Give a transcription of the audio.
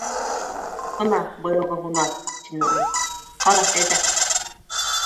— Бына быйылғы һунар... — тине ул. — Ҡара әйҙә!